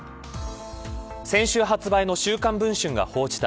先週発売の週刊文春が報じた